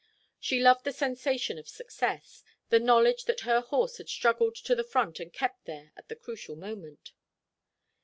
She loved the sensation of success, the knowledge that her horse had struggled to the front and kept there at the crucial moment.